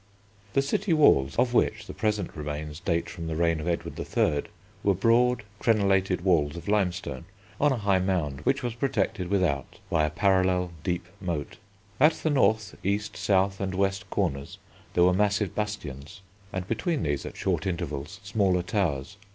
The city Walls, of which the present remains date from the reign of Edward III., were broad, crenellated walls of limestone, on a high mound which was protected without by a parallel deep moat. At the north, east, south, and west corners there were massive bastions, and between these, at short intervals, smaller towers.